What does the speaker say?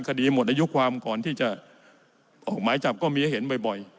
คดีหมดอายุความก่อนที่จะออกหมายจับก็มีให้เห็นบ่อย